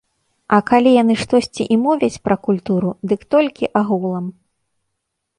А калі яны штосьці і мовяць пра культуру, дык толькі агулам.